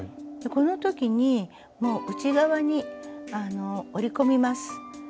この時にもう内側に折り込みます。